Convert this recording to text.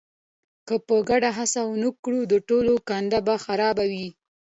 که په ګډه هڅه ونه کړو د ټولو ګانده به خرابه وي.